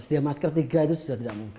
sedia masker tiga itu sudah tidak mungkin